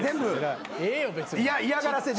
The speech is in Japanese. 嫌がらせで。